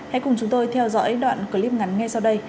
hãy cùng chúng tôi theo dõi đoạn clip ngắn ngay sau đây